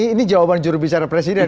ini jawaban jurubicara presiden